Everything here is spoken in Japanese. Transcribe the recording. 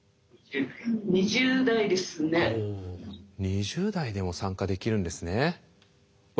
２０代でも参加できるんですね。